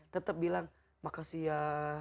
tetap bilang makasih ya